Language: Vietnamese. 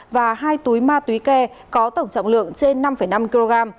và hai túi ma túy ke có tổng trọng lượng trên năm năm kg